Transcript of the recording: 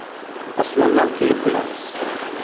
Osmondan kelib kulamiz!